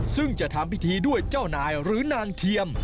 ซึ่งจะทำพิธีด้วยเจ้านายหรือนางเทียม